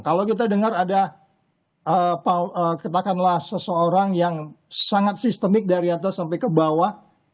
kalau kita dengar ada katakanlah seseorang yang sangat sistemik dari atas sampai ke bawah